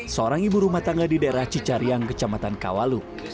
seorang ibu rumah tangga di daerah cicariang kecamatan kawalu